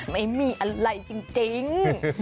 ไม่มีอะไรจริง